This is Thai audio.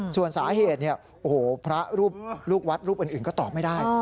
ส่วนสาเหตุพระลูกวัดลูกอื่นก็ตอบไม่ได้